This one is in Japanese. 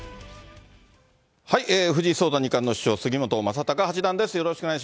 藤井聡太二冠の師匠、杉本昌隆八段です。